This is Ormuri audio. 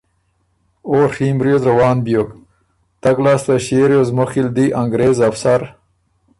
او ڒیم ریوز روان بیوک۔ تګ لاسته ݭيې ریوز مُخکی ل دی ا نګرېز افسر